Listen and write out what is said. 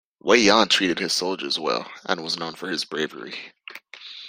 Wei Yan treated his soldiers well and was known for his bravery.